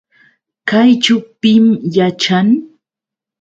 ¿Kayćhu pim yaćhan?